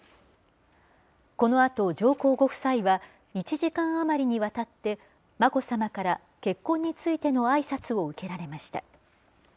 このあと、上皇ご夫妻は１時間余りにわたって、眞子さまから結婚についてのあいさつを受けられました。